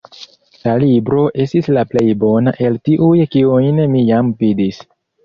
La libro estis la plej bona el tiuj, kiujn mi jam vidis.